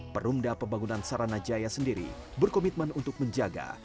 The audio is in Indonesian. perumda pembangunan saranajaya sendiri berkomitmen untuk menjaga